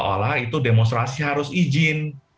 seolah olah itu demonstrasi harus izin